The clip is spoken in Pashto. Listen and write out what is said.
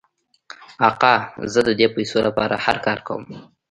آقا زه د دې پیسو لپاره هر کار کوم.